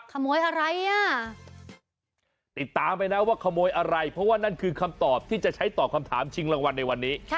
ขโมยอะไรอ่ะติดตามไปนะว่าขโมยอะไรเพราะว่านั่นคือคำตอบที่จะใช้ตอบคำถามชิงรางวัลในวันนี้